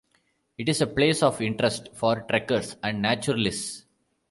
It is a place of interest for trekkers and naturalists.